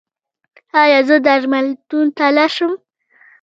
ایا زه درملتون ته لاړ شم؟